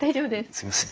すみません。